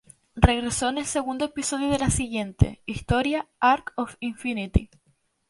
Regresó en el segundo episodio de la siguiente, historia, "Arc of Infinity".